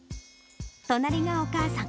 隣がお母さん。